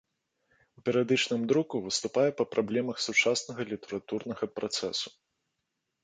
У перыядычным друку выступае па праблемах сучаснага літаратурнага працэсу.